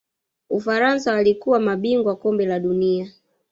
ufaransa walikuwa mabingwa Kombe la dunia